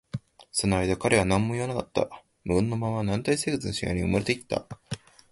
その間、彼は何も言わなかった。無言のまま、軟体生物の死骸に埋もれていった。